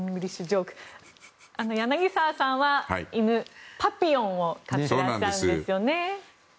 柳澤さんは犬、パピヨンを飼っていらっしゃるんですよね。